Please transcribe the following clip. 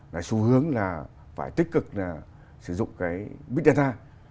là xu hướng là phải tích cực là sử dụng cái big data